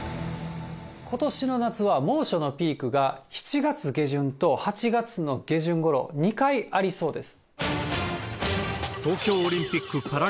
ことしの夏は猛暑のピークが７月下旬と８月の下旬ごろ、２回ありそうです。